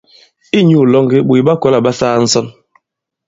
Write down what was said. Inyū ilòŋgɛ, ɓòt ɓa kɔ̀la ɓa saa ǹsɔn.